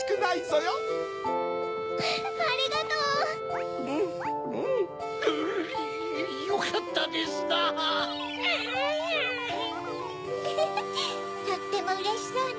とってもうれしそうね